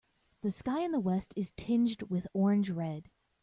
The sky in the west is tinged with orange red.